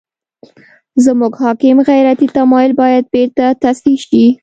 زموږ حاکم غیرتي تمایل باید بېرته تصحیح شي.